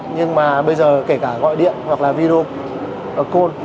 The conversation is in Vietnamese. nhưng mà bây giờ kể cả gọi điện hoặc là video call